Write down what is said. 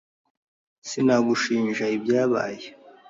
Sinagushinja ibyabaye.